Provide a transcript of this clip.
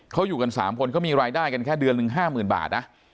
เขาอยู่กัน๓คนก็มีรายได้กันแค่เดือนนึง๕หมื่นบาทนะ